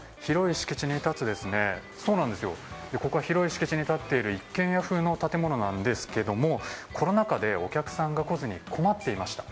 ここは広い敷地に建っている一軒家風の建物なんですけれどもコロナ禍でお客さんが来ずに困っていました。